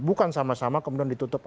bukan sama sama kemudian ditutup